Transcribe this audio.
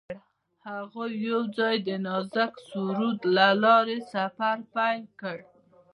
هغوی یوځای د نازک سرود له لارې سفر پیل کړ.